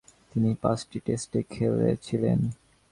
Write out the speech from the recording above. তিনি পাঁচটি টেস্টে খেলেছিলেন।